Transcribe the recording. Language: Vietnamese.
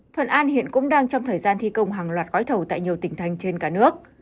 thuận an hiện cũng đang trong thời gian thi công hàng loạt gói thầu tại nhiều tỉnh thành trên cả nước